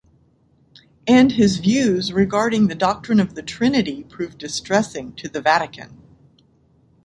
And his views regarding the doctrine of the Trinity proved distressing to the Vatican.